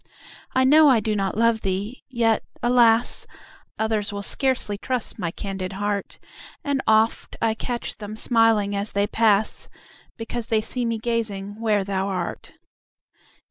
I know I do not love thee! yet, alas! Others will scarcely trust my candid heart; And oft I catch them smiling as they pass, Because they see me gazing where thou art.